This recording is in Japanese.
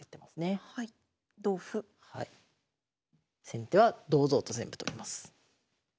先手は堂々と全部取ります。